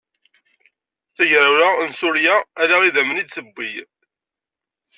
Tagrawla n Surya ala idammen i d-tewwi.